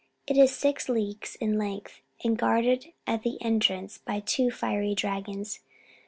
It is six leagues in length, and guarded at the entrance by two fiery dragons.